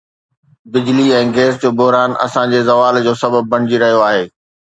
بجلي ۽ گئس جو بحران اسان جي زوال جو سبب بڻجي رهيو آهي